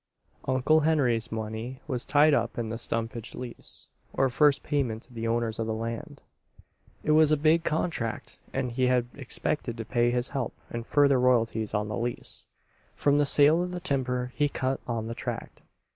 Uncle Henry's money was tied up in the stumpage lease, or first payment to the owners of the land. It was a big contract and he had expected to pay his help and further royalties on the lease, from the sale of the timber he cut on the tract.